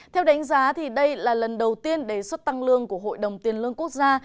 theo đánh giá đây là lần đầu tiên đề xuất tăng lương của hội đồng tiền lương quốc gia